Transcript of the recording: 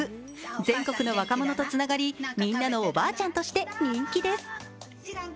全国の若者とつながり、みんなのおばあちゃんとして人気です。